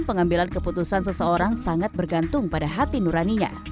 pengambilan keputusan seseorang sangat bergantung pada hati nuraninya